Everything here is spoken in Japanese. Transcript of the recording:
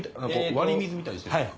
割り水みたいにしてるんですか？